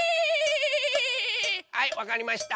はいわかりました！